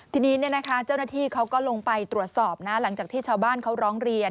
ทีนี้เจ้าหน้าที่เขาก็ลงไปตรวจสอบนะหลังจากที่ชาวบ้านเขาร้องเรียน